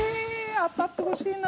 当たってほしいな。